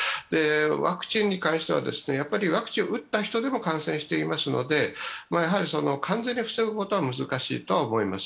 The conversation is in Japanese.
ワクチンに関しては、ワクチンを打った人でも感染していますので、完全に防ぐことは難しいと思います。